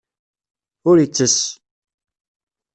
Ur ittess.